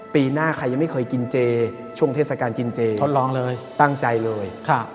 ปีหน้าใครยังไม่เคยกินเจช่วงเทศกาลกินเจทดลองเลยตั้งใจเลย